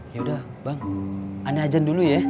yaudah bang anda ajan dulu ya